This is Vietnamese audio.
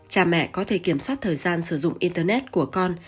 cha mẹ có thể kiểm soát thời gian sử dụng internet của con